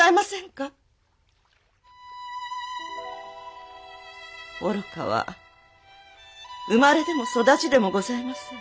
愚かは生まれでも育ちでもございません。